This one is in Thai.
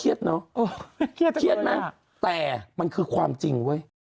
เครียดจังเลยค่ะเครียดไหมแต่มันคือความจริง